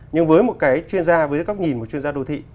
nhưng với một cái chuyên gia với góc nhìn của chuyên gia đô thị